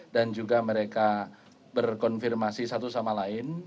dan juga mereka berkonfirmasi satu sama lain